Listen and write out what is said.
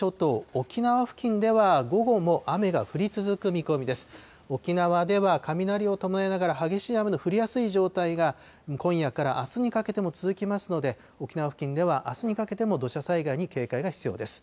沖縄では雷を伴いながら激しい雨の降りやすい状態が、今夜からあすにかけても続きますので、沖縄付近では、あすにかけても土砂災害に警戒が必要です。